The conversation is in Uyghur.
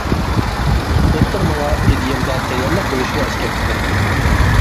دوختۇر ماڭا ئىدىيەمدە تەييارلىق بولۇشىنى ئەسكەرتتى.